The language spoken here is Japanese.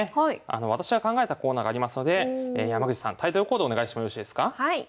私が考えたコーナーがありますので山口さんタイトルコールお願いしてもよろしいですか？